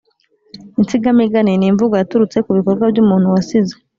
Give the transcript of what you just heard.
– Insigamigani ni imvugo yaturutse ku bikorwa by’umuntu wasize